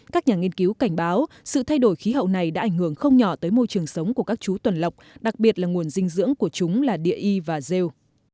các nhà nghiên cứu cảnh báo sự thay đổi khí hậu này đã ảnh hưởng không nhỏ tới môi trường sống của các chú tuần lọc đặc biệt là nguồn dinh dưỡng của chúng là địa y và rêu